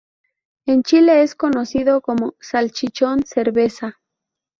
En Chile es conocido como "Salchichón Cerveza".